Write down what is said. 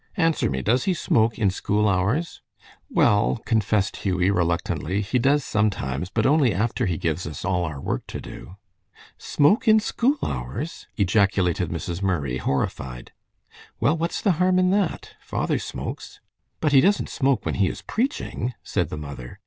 "Answer me! Does he smoke in school hours?" "Well," confessed Hughie, reluctantly, "he does sometimes, but only after he gives us all our work to do." "Smoke in school hours!" ejaculated Mrs. Murray, horrified. "Well, what's the harm in that? Father smokes." "But he doesn't smoke when he is preaching," said the mother.